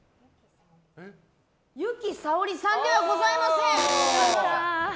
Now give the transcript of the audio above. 由紀さおりさんではございません！